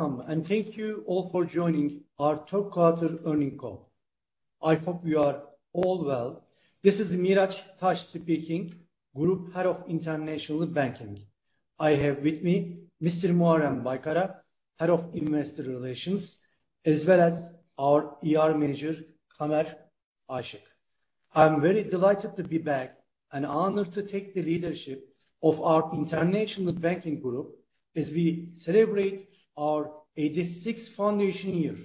Welcome, and thank you all for joining our Third Quarter Earnings Call. I hope you are all well. This is Miraç Taş speaking, Group Head of International Banking. I have with me Mr. Muharrem Baykara, Head of Investor Relations, as well as our Manager, Kamer Işık. I'm very delighted to be back and honored to take the leadership of our International Banking Group as we celebrate our 86th foundation year.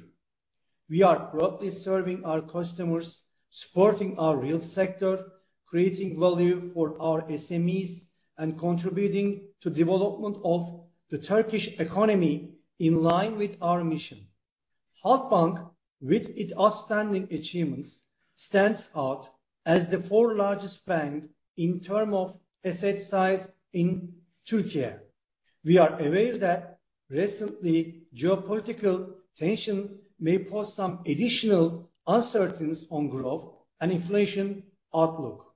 We are proudly serving our customers, supporting our real sector, creating value for our SMEs, and contributing to the development of the Turkish economy in line with our mission. Halkbank, with its outstanding achievements, stands out as the fourth largest bank in terms of asset size in Türkiye. We are aware that recent geopolitical tensions may pose some additional uncertainty on growth and inflation outlook.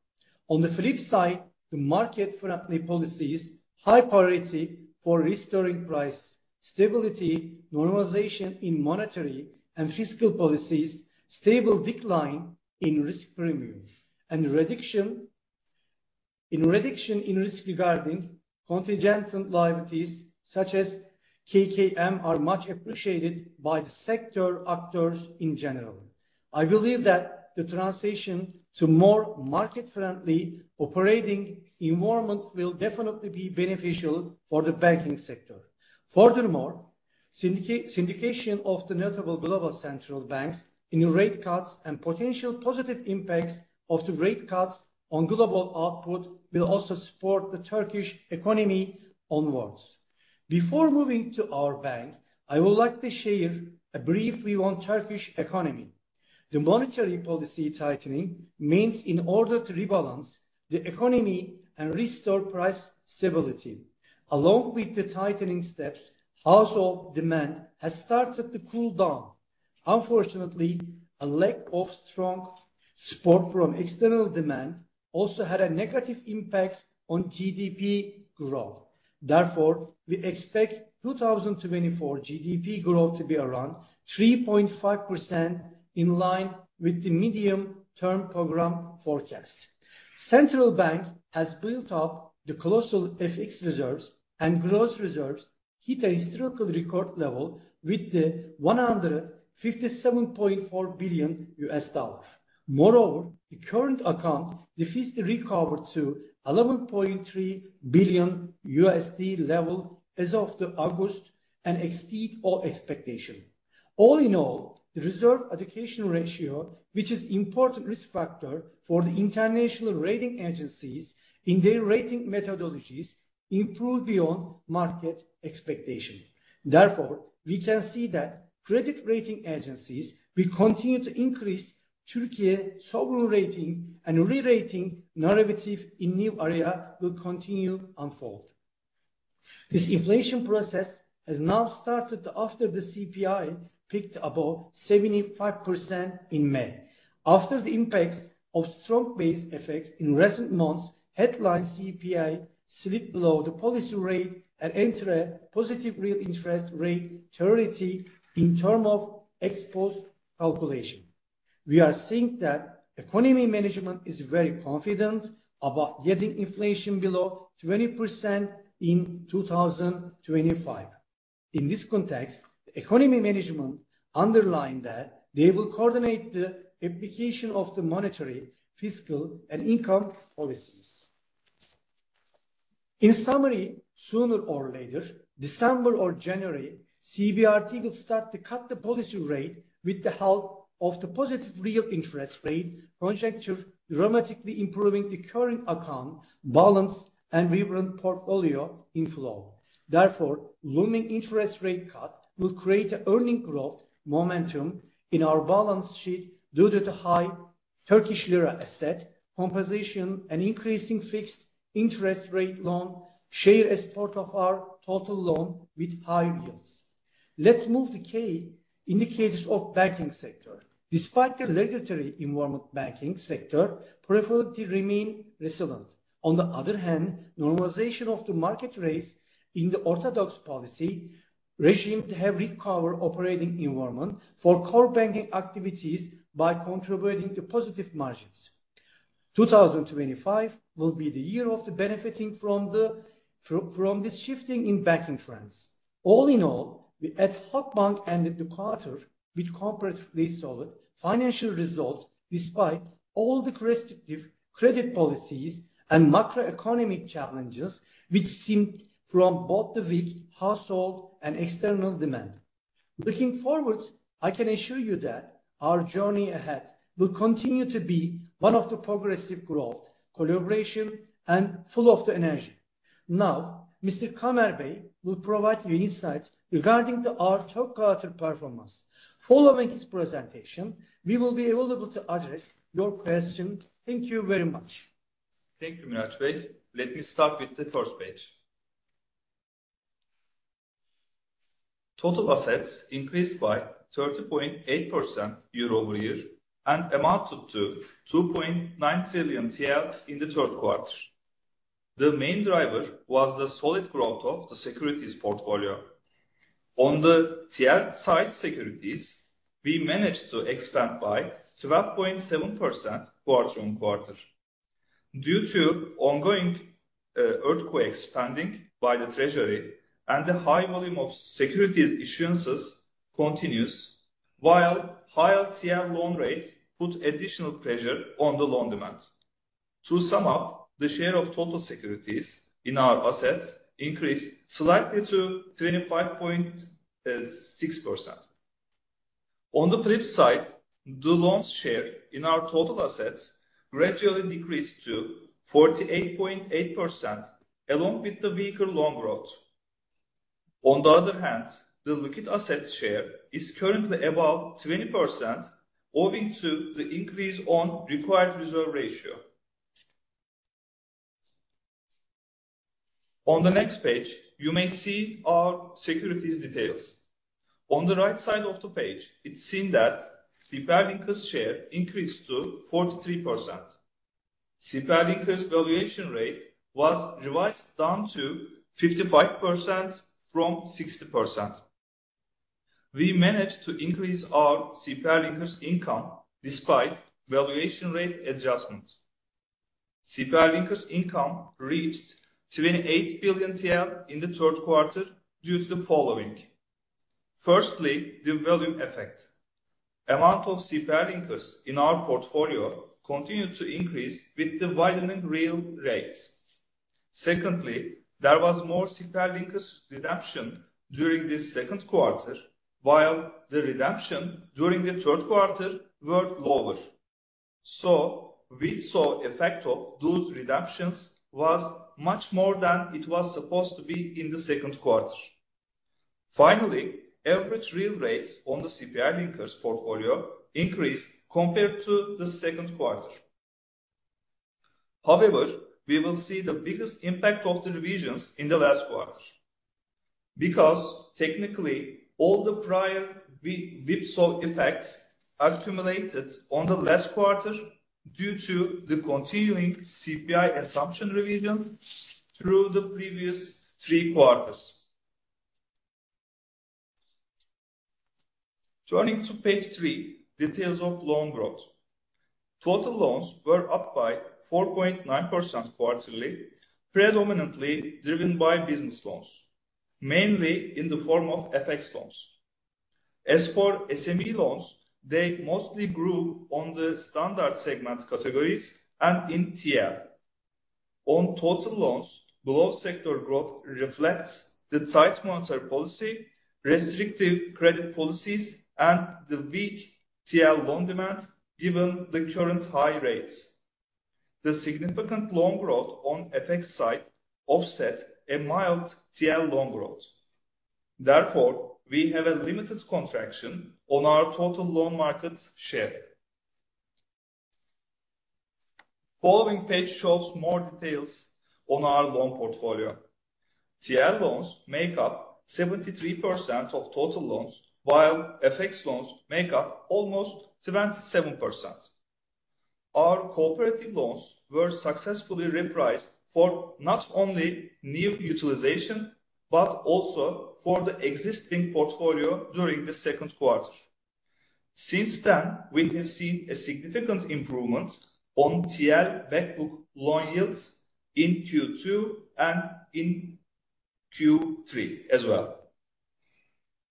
On the flip side, the market-friendly policies have a priority for restoring price stability, normalization in monetary and fiscal policies, stable decline in risk premium, and reduction in risk regarding contingent liabilities such as KKM, are much appreciated by the sector actors in general. I believe that the transition to more market-friendly operating environment will definitely be beneficial for the banking sector. Furthermore, the synchronization of the notable global central banks in rate cuts and the potential positive impacts of the rate cuts on global output will also support the Turkish economy onward. Before moving to our bank, I would like to share a brief view on the Turkish economy. The monetary policy tightening means, in order to rebalance the economy and restore price stability, along with the tightening steps, household demand has started to cool down. Unfortunately, a lack of strong support from external demand also had a negative impact on GDP growth. Therefore, we expect 2024 GDP growth to be around 3.5% in line with the medium-term program forecast. The central bank has built up the colossal FX reserves and gross reserves to a historical record level with $157.4 billion. Moreover, the current account deficit shows recovery to $11.3 billion level as of August and exceeds all expectations. All in all, the reserve-allocation ratio, which is an important risk factor for the international rating agencies in their rating methodologies, improved beyond market expectations. Therefore, we can see that credit rating agencies will continue to increase Türkiye's sovereign rating and re-rating narrative in new areas will continue to unfold. This inflation process has now started after the CPI peaked above 75% in May. After the impacts of strong base effects in recent months, headline CPI slipped below the policy rate and entered a positive real interest rate territory in terms of our calculation. We are seeing that economic management is very confident about getting inflation below 20% in 2025. In this context, the economic management underlined that they will coordinate the application of the monetary, fiscal, and income policies. In summary, sooner or later, December or January, CBRT will start to cut the policy rate with the help of the positive real interest rate conjuncture, dramatically improving the current account balance and relevant portfolio inflow. Therefore, looming interest rate cuts will create an earnings growth momentum in our balance sheet due to the high Turkish lira asset composition and increasing fixed interest rate loan share as part of our total loan with high yields. Let's move to the key indicators of the banking sector. Despite the regulatory environment, the banking sector preferred to remain resilient. On the other hand, normalization of the market rates in the orthodox policy regime has recovered operating environment for core banking activities by contributing to positive margins. 2025 will be the year of benefiting from this shifting in banking trends. All in all, we at Halkbank ended the quarter with comparatively solid financial results despite all the restrictive credit policies and macroeconomic challenges which stemmed from both the weak household and external demand. Looking forward, I can assure you that our journey ahead will continue to be one of progressive growth, collaboration, and full of energy. Now, Mr. Kamer Işık Bey will provide you insights regarding our top quarter performance. Following his presentation, we will be able to address your questions. Thank you very much. Thank you, Miraç Bey. Let me start with the first page. Total assets increased by 30.8% year over year and amounted to 2.9 trillion TL in the third quarter. The main driver was the solid growth of the securities portfolio. On the TL side securities, we managed to expand by 12.7% quarter on quarter due to ongoing earthquake spending by the Treasury and the high volume of securities issuances continues, while higher TL loan rates put additional pressure on the loan demand. To sum up, the share of total securities in our assets increased slightly to 25.6%. On the flip side, the loan share in our total assets gradually decreased to 48.8% along with the weaker loan growth. On the other hand, the liquid assets share is currently above 20%, owing to the increase in required reserve ratio. On the next page, you may see our securities details. On the right side of the page, it's seen that CPI linkers' share increased to 43%. CPI linkers' valuation rate was revised down to 55% from 60%. We managed to increase our CPI linkers' income despite valuation rate adjustment. CPI linkers' income reached 28 billion TL in the third quarter due to the following. Firstly, the value effect. The amount of CPI linkers in our portfolio continued to increase with the widening real rates. Secondly, there was more CPI linkers' redemption during the second quarter, while the redemption during the third quarter was lower. So, we saw the effect of those redemptions was much more than it was supposed to be in the second quarter. Finally, average real rates on the CPI linkers' portfolio increased compared to the second quarter. However, we will see the biggest impact of the revisions in the last quarter because technically all the prior we saw effects accumulated in the last quarter due to the continuing CPI assumption revision through the previous three quarters. Turning to page three, details of loan growth. Total loans were up by 4.9% quarterly, predominantly driven by business loans, mainly in the form of FX loans. As for SME loans, they mostly grew on the standard segment categories and in TL. On total loans, below-sector growth reflects the tight monetary policy, restrictive credit policies, and the weak TL loan demand given the current high rates. The significant loan growth on the FX side offset a mild TL loan growth. Therefore, we have a limited contraction on our total loan market share. The following page shows more details on our loan portfolio. TL loans make up 73% of total loans, while FX loans make up almost 27%. Our cooperative loans were successfully repriced for not only new utilization but also for the existing portfolio during the second quarter. Since then, we have seen a significant improvement in TL backbook loan yields in Q2 and in Q3 as well.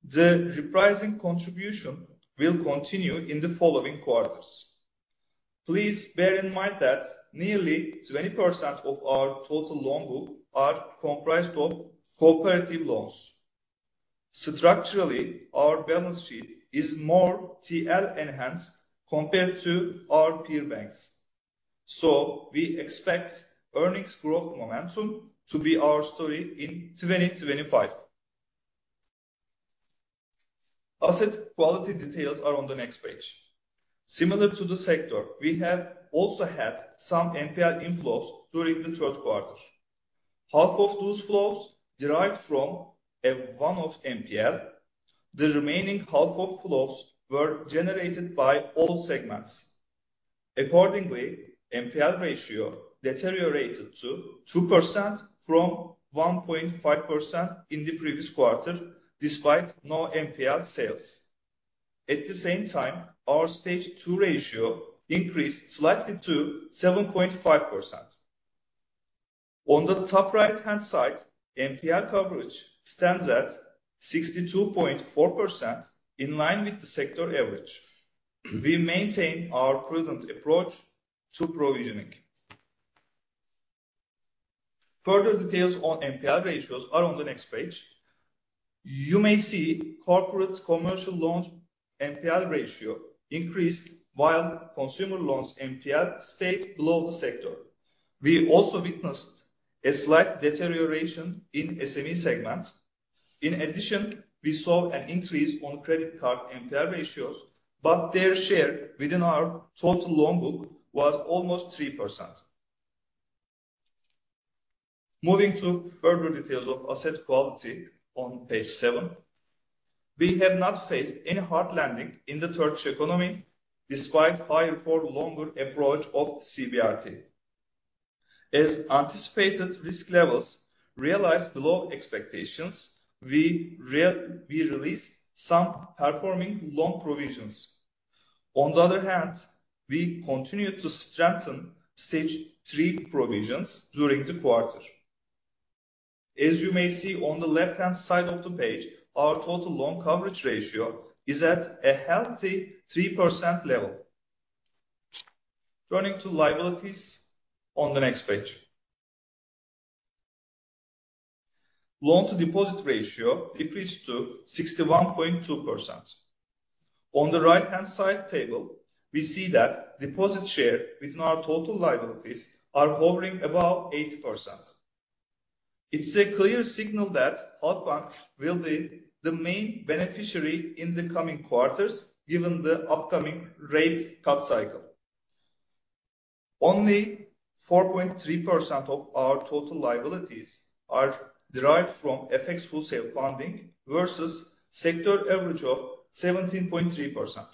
The repricing contribution will continue in the following quarters. Please bear in mind that nearly 20% of our total loan book are comprised of cooperative loans. Structurally, our balance sheet is more TL-enhanced compared to our peer banks. So, we expect earnings growth momentum to be our story in 2025. Asset quality details are on the next page. Similar to the sector, we have also had some NPL inflows during the third quarter. Half of those flows derived from one of NPL. The remaining half of flows were generated by all segments. Accordingly, NPL ratio deteriorated to 2% from 1.5% in the previous quarter despite no NPL sales. At the same time, our stage two ratio increased slightly to 7.5%. On the top right-hand side, NPL coverage stands at 62.4% in line with the sector average. We maintain our prudent approach to provisioning. Further details on NPL ratios are on the next page. You may see corporate commercial loans' NPL ratio increased, while consumer loans' NPL stayed below the sector. We also witnessed a slight deterioration in SME segments. In addition, we saw an increase in credit card NPL ratios, but their share within our total loan book was almost 3%. Moving to further details of asset quality on page seven, we have not faced any hard landing in the Turkish economy despite the higher for longer approach of CBRT. As anticipated, risk levels realized below expectations. We released some performing loan provisions. On the other hand, we continued to strengthen stage three provisions during the quarter. As you may see on the left-hand side of the page, our total loan coverage ratio is at a healthy 3% level. Turning to liabilities on the next page. Loan-to-deposit ratio decreased to 61.2%. On the right-hand side table, we see that deposit share within our total liabilities is hovering above 8%. It's a clear signal that Halkbank will be the main beneficiary in the coming quarters given the upcoming rate cut cycle. Only 4.3% of our total liabilities are derived from FX wholesale funding versus sector average of 17.3%.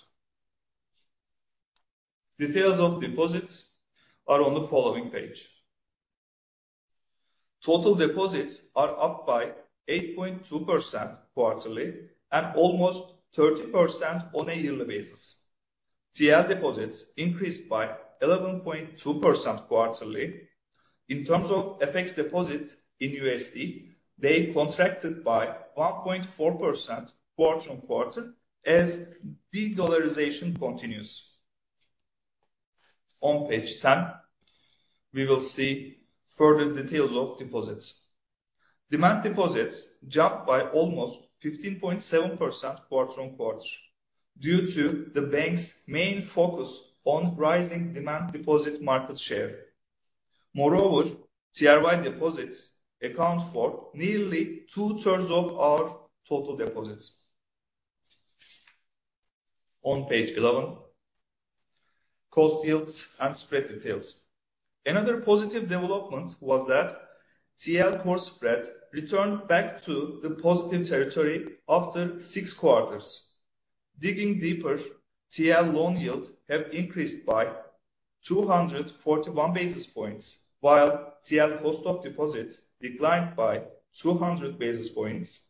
Details of deposits are on the following page. Total deposits are up by 8.2% quarterly and almost 30% on a yearly basis. TL deposits increased by 11.2% quarterly. In terms of FX deposits in USD, they contracted by 1.4% quarter on quarter as de-dollarization continues. On page 10, we will see further details of deposits. Demand deposits jumped by almost 15.7% quarter on quarter due to the bank's main focus on rising demand deposit market share. Moreover, TRY deposits account for nearly two-thirds of our total deposits. On page 11, cost yields and spread details. Another positive development was that TL core spread returned back to the positive territory after six quarters. Digging deeper, TL loan yields have increased by 241 basis points, while TL cost of deposits declined by 200 basis points.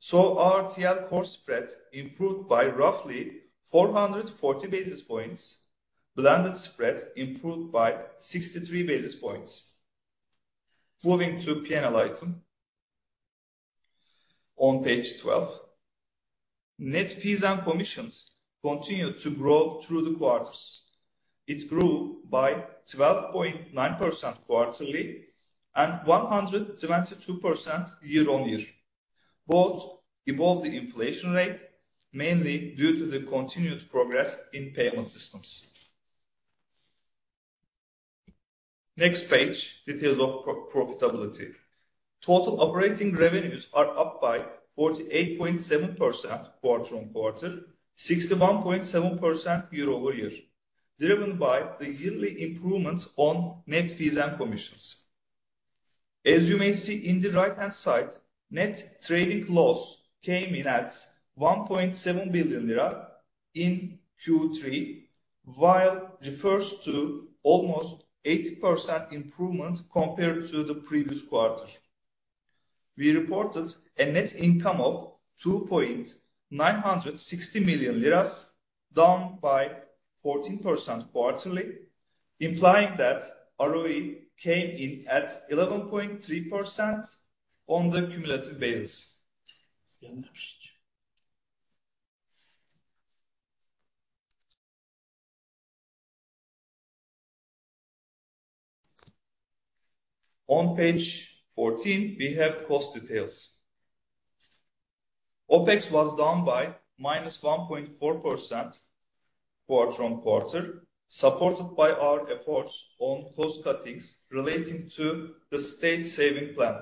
So, our TL core spread improved by roughly 440 basis points. Blended spread improved by 63 basis points. Moving to the P&L item. On page 12, net fees and commissions continued to grow through the quarters. It grew by 12.9% quarterly and 122% year on year. Both above the inflation rate, mainly due to the continued progress in payment systems. Next page, details of profitability. Total operating revenues are up by 48.7% quarter on quarter, 61.7% year over year, driven by the yearly improvements on net fees and commissions. As you may see in the right-hand side, net trading loss came in at TL 1.7 billion in Q3, while it refers to almost 80% improvement compared to the previous quarter. We reported a net income of TL 2.960 million liras, down by 14% quarterly, implying that ROE came in at 11.3% on the cumulative basis. On page 14, we have cost details. OPEX was down by minus 1.4% quarter on quarter, supported by our efforts on cost cuttings relating to the state saving plan.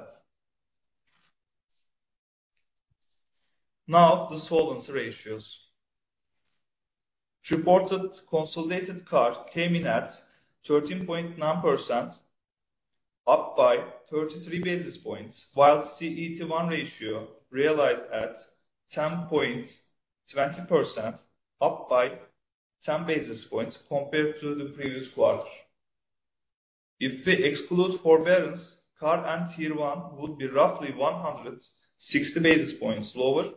Now, the solvency ratios. Reported consolidated CAR came in at 13.9%, up by 33 basis points, while CET1 ratio realized at 10.20%, up by 10 basis points compared to the previous quarter. If we exclude forbearance, CAR and Tier 1 would be roughly 160 basis points lower,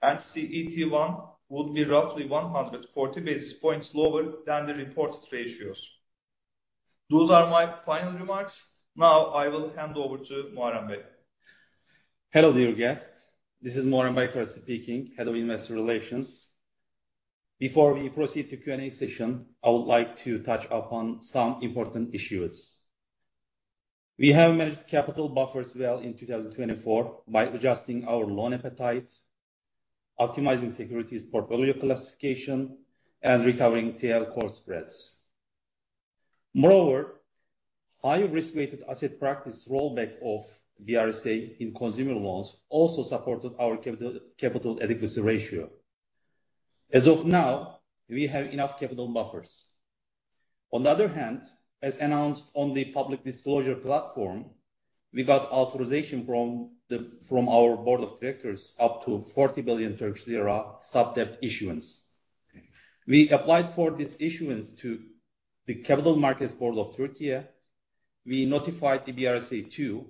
and CET1 would be roughly 140 basis points lower than the reported ratios. Those are my final remarks. Now, I will hand over to Muharrem Bey. Hello, dear guest. This is Muharrem Baykara speaking. Hello, investor relations. Before we proceed to the Q&A session, I would like to touch upon some important issues. We have managed capital buffers well in 2024 by adjusting our loan appetite, optimizing securities portfolio classification, and recovering TL core spreads. Moreover, high risk-weighted asset practice rollback of BRSA in consumer loans also supported our capital adequacy ratio. As of now, we have enough capital buffers. On the other hand, as announced on the public disclosure platform, we got authorization from our board of directors up to 40 billion Turkish lira sub-debt issuance. We applied for this issuance to the Capital Markets Board of Türkiye. We notified the BRSA too.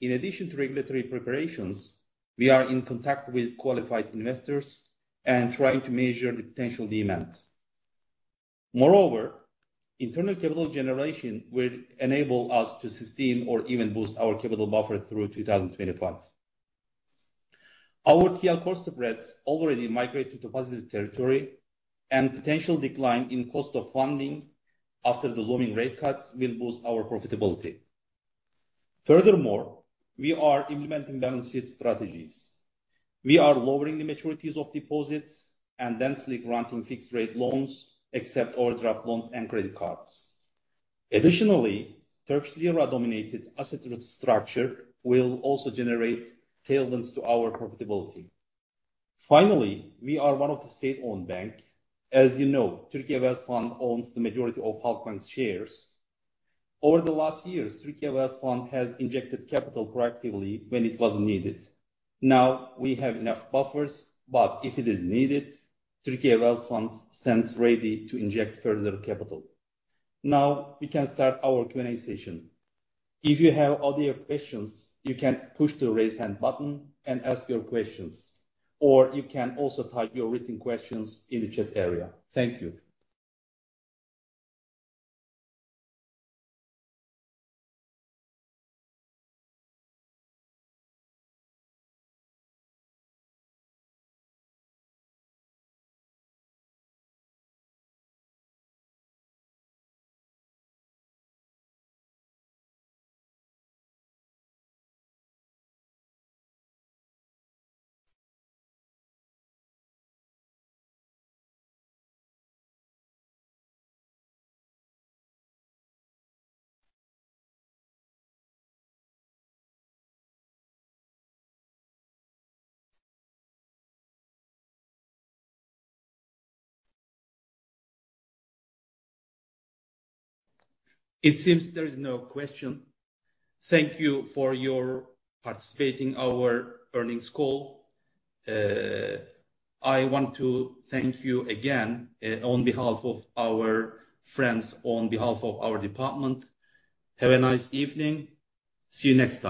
In addition to regulatory preparations, we are in contact with qualified investors and trying to measure the potential demand. Moreover, internal capital generation will enable us to sustain or even boost our capital buffer through 2025. Our TL core spreads already migrate to positive territory, and potential decline in cost of funding after the looming rate cuts will boost our profitability. Furthermore, we are implementing balance sheet strategies. We are lowering the maturities of deposits and densely granting fixed-rate loans, except overdraft loans and credit cards. Additionally, Turkish lira-denominated asset structure will also generate tailwinds to our profitability. Finally, we are one of the state-owned banks. As you know, Türkiye Wealth Fund owns the majority of Halkbank's shares. Over the last years, Türkiye Wealth Fund has injected capital proactively when it was needed. Now, we have enough buffers, but if it is needed, Türkiye Wealth Fund stands ready to inject further capital. Now, we can start our Q&A session. If you have other questions, you can push the raise hand button and ask your questions, or you can also type your written questions in the chat area. Thank you. It seems there is no question. Thank you for your participation in our earnings call. I want to thank you again on behalf of our friends, on behalf of our department. Have a nice evening. See you next time.